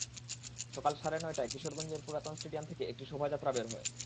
সকাল সাড়ে নয়টায় কিশোরগঞ্জের পুরাতন স্টেডিয়াম থেকে একটি শোভাযাত্রা বের হয়।